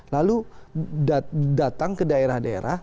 lalu datang ke daerah daerah